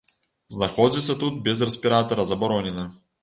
Знаходзіцца тут без рэспіратара забаронена.